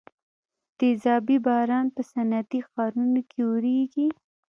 تیزابي باران په صنعتي ښارونو کې اوریږي.